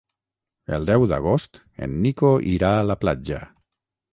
El deu d'agost en Nico irà a la platja.